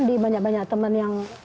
di banyak banyak teman yang